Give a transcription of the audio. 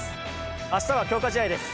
明日は強化試合です。